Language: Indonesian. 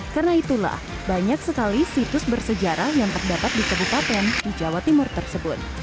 karena itulah banyak sekali situs bersejarah yang terdapat di kebupaten di jawa timur tersebut